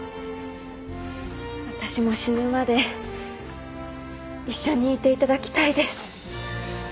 私も死ぬまで一緒にいていただきたいです。